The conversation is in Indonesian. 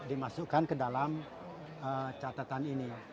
dimasukkan ke dalam catatan ini